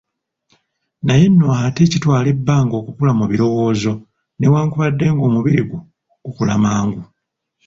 Naye nno ate kitwala ebbanga okukula mu birowoozo, newankubadde ng'omubiri gwo gukula mangu.